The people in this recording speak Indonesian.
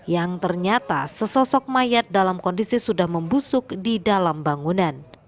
yang ternyata sesosok mayat dalam kondisi sudah membusuk di dalam bangunan